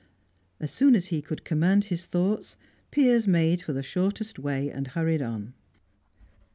As soon as he could command his thoughts, Piers made for the shortest way, and hurried on.